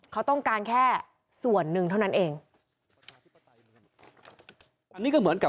เขาต้องการแค่ส่วนหนึ่งเท่านั้นเอง